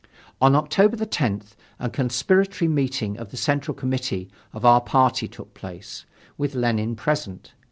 On October 10th a conspiratory meeting of the Central Committee of our party took place, with Lenin present.